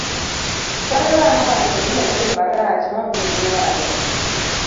kwarewa nowacho ni onge gimarach ma onge gi nyawadgi